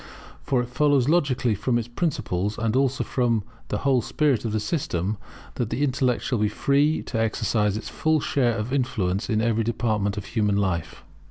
For it follows logically from its principles, and also from the whole spirit of the system, that the intellect shall be free to exercise its full share of influence in every department of human life.